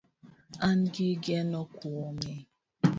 An gi geno kuomi